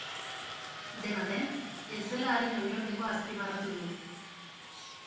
Dena den, ez dela haren oinordekoa azpimarratu du.